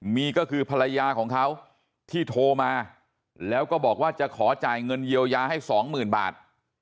มีก็คือภรรยาของเขาที่โทรมาแล้วก็บอกว่าจะขอจ่ายเงินเยียวยาให้สองหมื่นบาท